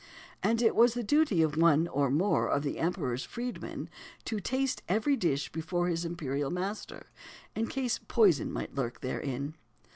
And it was the duty of one, or more, of the Emperor's "freedmen" to taste every dish before his imperial master, in case poison might lurk therein.